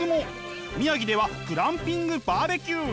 宮城ではグランピングバーベキュー。